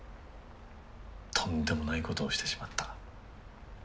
とんでもないことをしてしまった。